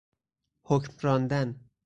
حکم راندن